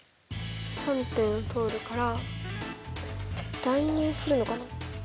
３点を通るから代入するのかな？